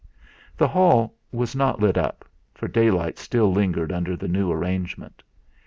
The hall was not lit up, for daylight still lingered under the new arrangement.